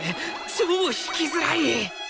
超弾きづらい！